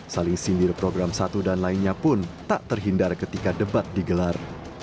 saling sindir program satu dan lainnya pun tak terhindar ketika debat digelar